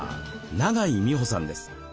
永井美穂さんです。